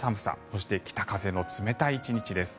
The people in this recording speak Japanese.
そして、北風の冷たい１日です。